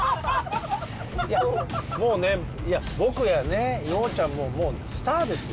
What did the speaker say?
もうねいや僕やね羊ちゃんももうスターですよ